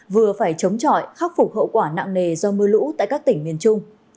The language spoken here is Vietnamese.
vừa phải chống trọi khắc phục hậu quả nặng nề do mưa lũ tại các tỉnh miền trung